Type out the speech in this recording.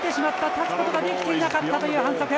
立つことができていなかったという反則。